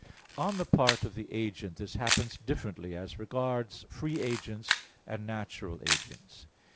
On the part of the agent this happens differently as regards free agents and natural agents.